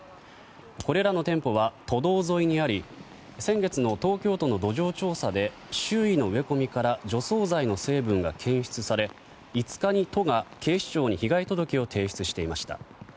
これらの店舗は都道沿いにあり先月の東京都の土壌調査で周囲の植え込みから除草剤の成分が検出され５日に都が警視庁に被害届を提出していました。